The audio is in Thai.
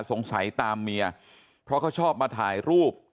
สงสัยตามเมียเพราะเขาชอบมาถ่ายรูป